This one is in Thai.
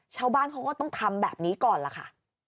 ชาวบ้านเขาก็ต้องทำแบบนี้ก่อนล่ะค่ะ